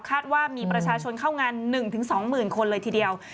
ว่ามีประชาชนเข้างาน๑๒๐๐๐คนเลยทีเดียว